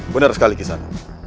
benar sekali kisah